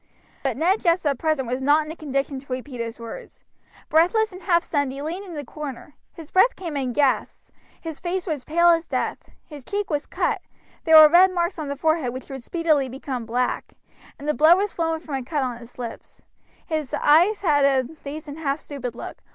But Ned just at present was not in a condition to repeat his words; breathless and half stunned he leaned in the corner, his breath came in gasps, his face was as pale as death, his cheek was cut, there were red marks on the forehead which would speedily become black, and the blood was flowing from a cut on his lip, his eyes had a dazed and half stupid look.